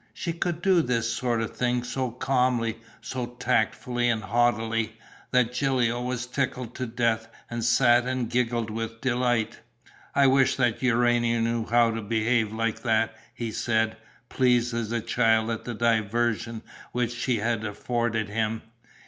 She could do this sort of thing so calmly, so tactfully and haughtily, that Gilio was tickled to death and sat and giggled with delight: "I wish that Urania knew how to behave like that!" he said, pleased as a child at the diversion which she had afforded him.